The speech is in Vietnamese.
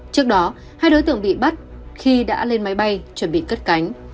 trước đó hai đối tượng bị bắt khi đã lên máy bay chuẩn bị cất cánh